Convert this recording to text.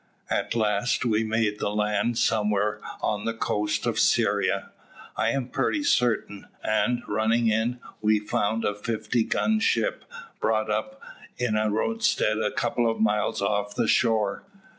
At last we made the land somewhere on the coast of Syria, I am pretty certain; and, running in, we found a fifty gun ship, brought up in a roadstead a couple of miles off the shore.